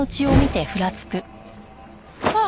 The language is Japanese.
あっ！